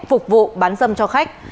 phục vụ bán dâm cho khách